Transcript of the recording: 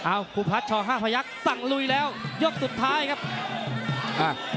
ครูพัฒน์ชอห้าพยักษ์สั่งลุยแล้วยกสุดท้ายครับอ่ะ